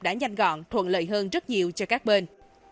đã nhanh gọn thuận lợi hơn rất nhiều cho các bên